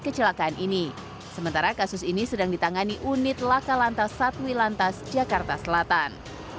kecelakaan ini sementara kasus ini sedang ditangani unit laka lantas satwi lantas jakarta selatan